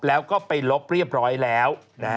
แล้วก็ไปลบเรียบร้อยแล้ว